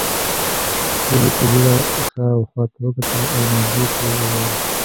هيلې په بېړه شا او خواته وکتل او ناجيې ته وویل